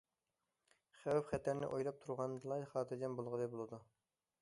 خەۋپ- خەتەرنى ئويلاپ تۇرغاندىلا، خاتىرجەم بولغىلى بولىدۇ.